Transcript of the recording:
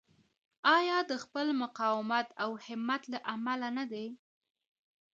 آیا د خپل مقاومت او همت له امله نه دی؟